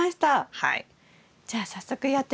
はい。